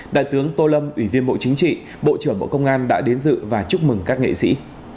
đại tướng tô lâm ủy viên bộ chính trị bộ trưởng bộ công an đã đến dự và chúc mừng các nghệ sĩ